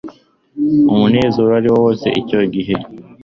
umunezero ari wose icyo gihe